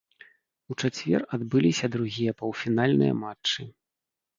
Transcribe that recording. У чацвер адбыліся другія паўфінальныя матчы.